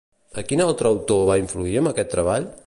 A quin altre autor va influir amb aquest treball?